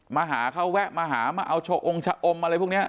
มาหาเขาแวะมาหามาเอาชะองชะอมอะไรพวกนี้